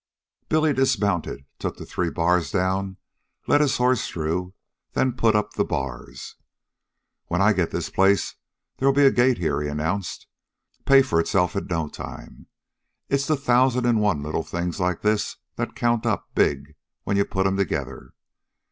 Billy dismounted, took the three bars down, led his horse through, then put up the bars. "When I get this place, there'll be a gate here," he announced. "Pay for itself in no time. It's the thousan' an' one little things like this that count up big when you put 'm together."